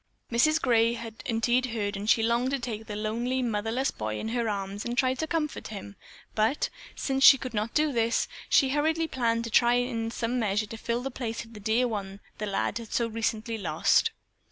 Mrs. Gray had indeed heard and she longed to take the lonely, motherless boy in her arms and try to comfort him, but, since she could not do this, she hurriedly planned to try in some measure to fill the place of the dear one the lad had so recently lost.